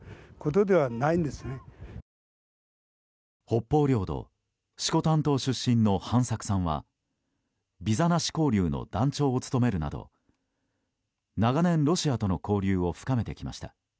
北方領土色丹島出身の飯作さんはビザなし交流の団長を務めるなど長年、ロシアとの交流を深めてきました。